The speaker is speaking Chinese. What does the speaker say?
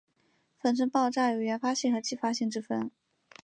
粉尘爆炸有原发性和继发性之分。